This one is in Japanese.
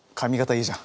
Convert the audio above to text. いいじゃん。